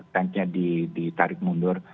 tanknya ditarik mundur